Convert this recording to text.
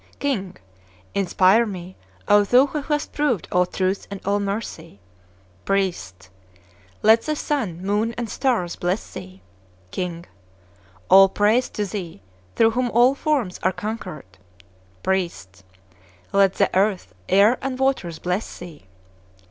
K. Inspire me, O Thou who hast proved all Truth and all Mercy! P. Let the Sun, Moon, and Stars bless thee! K. All praise to Thee, through whom all forms are conquered! P. Let the earth, air, and waters bless thee!